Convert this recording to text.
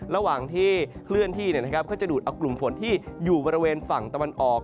ระหว่างที่เคลื่อนที่ก็จะดูดเอากลุ่มฝนที่อยู่บริเวณฝั่งตะวันออก